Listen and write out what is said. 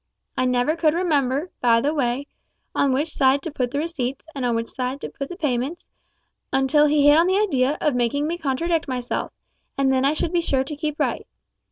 I never could remember, by the way, on which side to put the receipts, and on which the payments, until he hit on the idea of making me contradict myself, and then I should be sure to keep right.